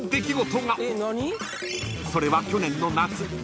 ［それは去年の夏